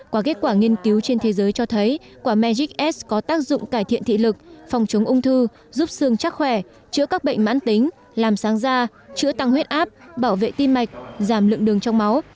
qua kết quả nghiên cứu trên thế giới cho thấy quả mejix s có tác dụng cải thiện thị lực phòng chống ung thư giúp xương chắc khỏe chữa các bệnh mãn tính làm sáng da chữa tăng huyết áp bảo vệ tim mạch giảm lượng đường trong máu